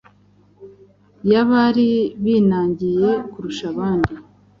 y’abari binangiye kurusha abandi.